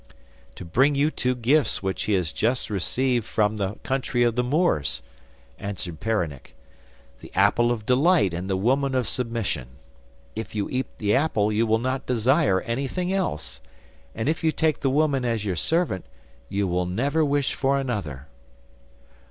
'To bring you two gifts which he has just received from the country of the Moors,' answered Peronnik: 'the apple of delight and the woman of submission. If you eat the apple you will not desire anything else, and if you take the woman as your servant you will never wish for another.